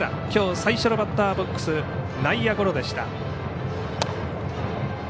きょう、最初のバッターボックス内野ゴロでした。